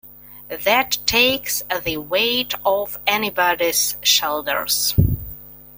That takes the weight off anybody's shoulders.